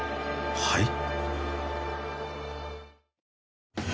はい？